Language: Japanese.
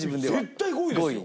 絶対５位ですよ。